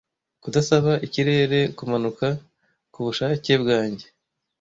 Kudasaba ikirere kumanuka kubushake bwanjye,